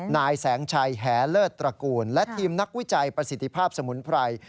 นายแสงชัยแหเลิศตระกูลและทีมนักวิจัยประสิทธิภาพสมุนไพร